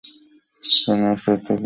স্বপ্নের স্থায়িত্বকাল খুব অল্প হয়।